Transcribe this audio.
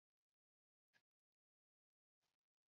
羌人首领柯吾趁机反抗曹魏。